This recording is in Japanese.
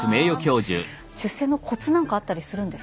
出世のコツなんかあったりするんですか？